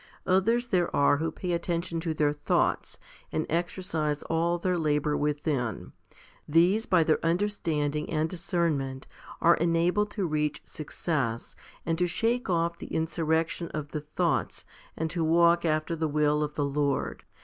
Others there are who pay attention to their thoughts, and exercise all their labour within. These by their under standing and discernment are enabled to reach success, and to shake off the insurrection of the thoughts and to walk after the will of the Lord.